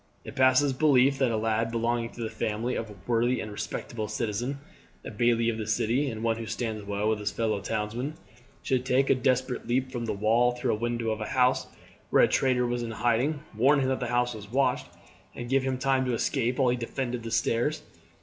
"It passes belief that a lad, belonging to the family of a worthy and respectable citizen, a bailie of the city and one who stands well with his fellow townsmen, should take a desperate leap from the wall through a window of a house where a traitor was in hiding, warn him that the house was watched, and give him time to escape while he defended the stairs.